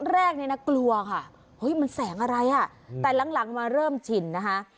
แรกเนี่ยนะกลัวค่ะเฮ้ยมันแสงอะไรอ่ะแต่หลังมาเริ่มชินนะคะ